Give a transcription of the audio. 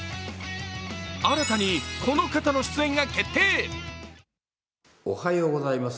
新たにこの方の出演が決定。